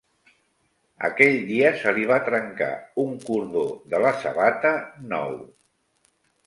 Aquell dia se li va trencar un cordó de la sabata nou.